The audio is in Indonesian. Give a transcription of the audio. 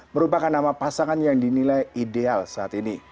merupakan nama pasangan yang dinilai ideal saat ini